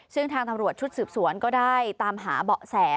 ซึ่งทางตำรวจชุดสืบสวนก็ได้ตามหาเบาะแส